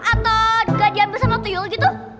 atau gak diambil sama tuyul gitu